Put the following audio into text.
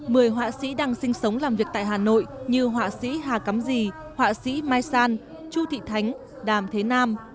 mười họa sĩ đang sinh sống làm việc tại hà nội như họa sĩ hà cắm gì họa sĩ mai san chu thị thánh đàm thế nam